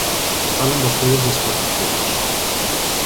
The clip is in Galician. Falan vostedes de exportacións.